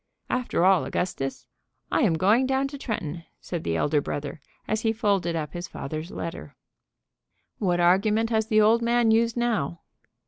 "After all, Augustus, I am going down to Tretton," said the elder brother as he folded up his father's letter. "What argument has the old man used now?"